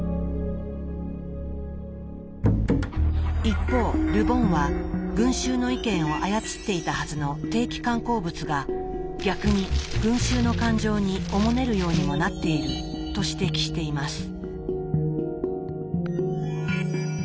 一方ル・ボンは群衆の意見を操っていたはずの定期刊行物が逆に群衆の感情におもねるようにもなっていると指摘しています。